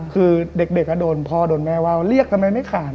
คือเด็กก็โดนพ่อโดนแม่ว่าเรียกทำไมไม่ขาด